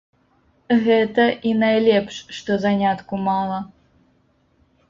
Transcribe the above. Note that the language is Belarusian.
Гэта і найлепш, што занятку мала.